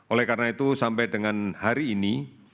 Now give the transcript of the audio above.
oleh karena itu sampai dengan hari ini